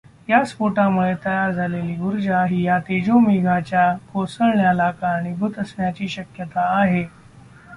या स्फोटामुळे तयार झालेली ऊर्जा ही या तेजोमेघाच्या कोसळण्याला कारणीभूत असण्याची शक्यता आहे.